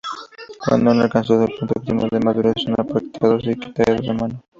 Cuando han alcanzado el punto óptimo de madurez, son empaquetados y etiquetados a mano.